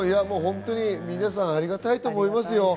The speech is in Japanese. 皆さん、ありがたいと思いますよ。